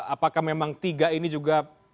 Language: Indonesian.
apakah memang tiga ini juga